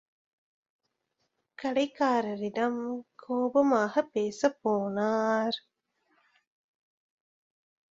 கடைக்காரரிடம் கோபமாகப் பேசப் போனார்.